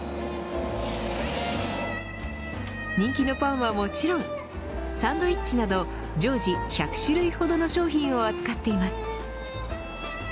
人気のパンはもちろんサンドイッチなど常時１００種類ほどの商品を扱っています。